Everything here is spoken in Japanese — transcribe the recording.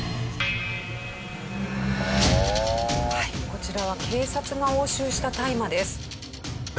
こちらは警察が押収した大麻です。